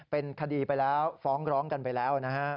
เป็นคดีไปแล้วฟ้องร้องกันไปแล้วนะฮะ